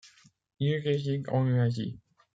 Ils résident en l'Asie.